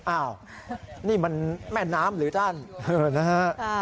อ้าวนี่มันแม่น้ำหรือด้านนะฮะ